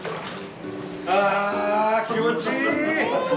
あ気持ちいい！